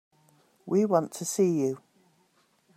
We want to see you.